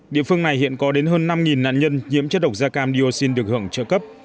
địa phương này hiện có đến hơn năm nạn nhân nhiễm chất độc da cam dioxin được hưởng trợ cấp